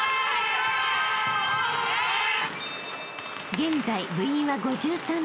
［現在部員は５３名］